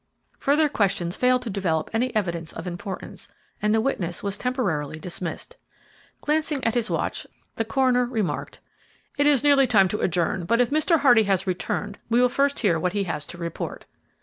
Further questions failed to develop any evidence of importance, and the witness was temporarily dismissed. Glancing at his watch, the coroner remarked, "It is nearly time to adjourn, but if Mr. Hardy has returned we will first hear what he has to report."